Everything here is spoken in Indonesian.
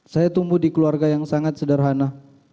saya tumbuh di keluarga yang sangat sederhana